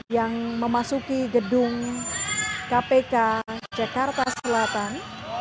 yang memasuki gedung kpk jakarta selatan